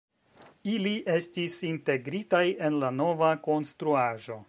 Ili estis integritaj en la nova konstruaĵo.